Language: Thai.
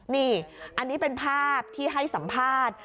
นี่อันนี้เป็นภาพที่ให้สัมภาษณ์